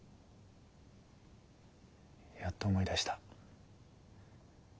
やっと思い出した。